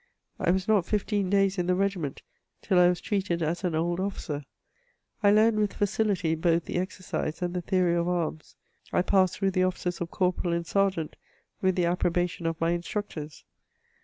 I was not fifteen days in the regiment till I was treated as an (Ad officer. I learned with facihty both the exercise and the theory of arms ; I passed through the offices of corporal and sergeant with the approbation of my instructors.